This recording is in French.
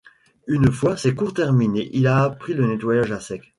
Une fois ses cours terminés, il a appris le nettoyage à sec.